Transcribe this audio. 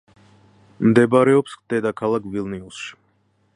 მდებარეობს დედაქალაქ ვილნიუსში.